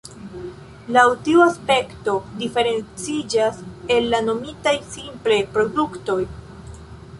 Laŭ tiu aspekto diferenciĝas el la nomitaj simple produktoj.